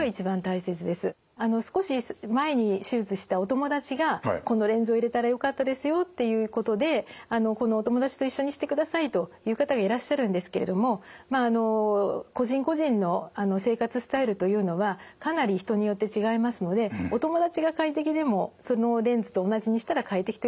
あの少し前に手術したお友達がこのレンズを入れたらよかったですよということでこのお友達と一緒にしてくださいと言う方がいらっしゃるんですけれどもまああの個人個人の生活スタイルというのはかなり人によって違いますのでお友達が快適でもそのレンズと同じにしたら快適というわけではないんですね。